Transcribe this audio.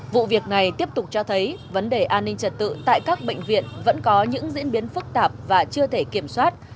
vụ việc này tiếp tục cho thấy vấn đề an ninh trật tự tại các bệnh viện vẫn có những diễn biến phức tạp và chưa thể kiểm soát